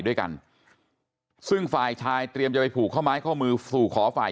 ด้วยกันซึ่งฝ่ายชายเตรียมจะไปผูกข้อไม้ข้อมือสู่ขอฝ่าย